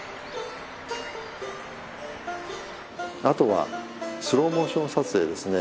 あとはスローモーション撮影ですね。